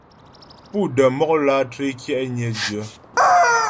Pú də́ mɔk lǎtré kyɛ'nyə dyə.